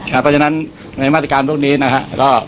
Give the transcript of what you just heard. เพราะฉะนั้นในมาตรการพวกนี้นะฮะ